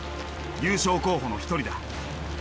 優勝候補の一人だ。